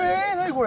これ。